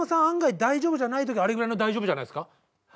案外大丈夫じゃない時あれぐらいの大丈夫じゃないっすか？